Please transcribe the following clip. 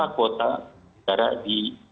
kata kuota negara di